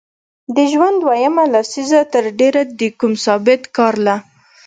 د ژوند دویمه لسیزه تر ډېره د کوم ثابت کار له